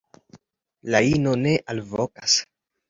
La ino ne alvokas.